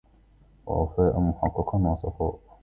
ووفاءً مُحقَّقاً وصفاءَ